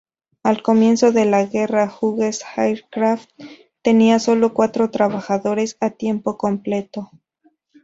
Al comienzo de la guerra Hughes Aircraft tenía solo cuatro trabajadores a tiempo completo.